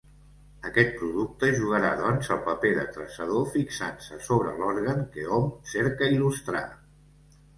Aquest producte jugarà, doncs, el paper de traçador fixant-se sobre l'òrgan que hom cerca il·lustrar.